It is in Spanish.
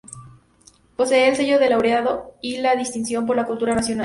Posee el sello de Laureado y la Distinción por la Cultura Nacional.